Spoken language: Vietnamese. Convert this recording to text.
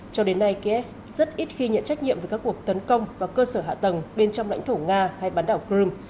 cho đến nay kiev rất ít khi nhận trách nhiệm về các cuộc tấn công vào cơ sở hạ tầng bên trong lãnh thổ nga hay bán đảo crimea